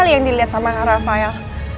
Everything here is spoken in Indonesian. aku yang diliat sama rafael